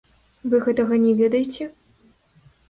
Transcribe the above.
Вы гэтага не ведаеце?